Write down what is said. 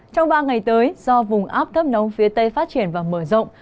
trong ba ngày tới do vùng áp thấp nóng phía tây phát triển và mở rộng